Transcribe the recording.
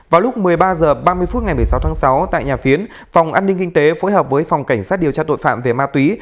vào lúc một mươi ba h ba mươi phút ngày một mươi sáu tháng sáu tại nhà phiến phòng an ninh kinh tế phối hợp với phòng cảnh sát điều tra tội phạm về ma túy